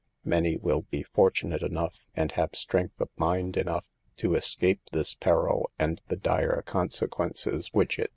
Many will be fortunate enough and have strength of mind enough, to escape this Peril and the dire consequences which it 54 SAVE THE GIELS.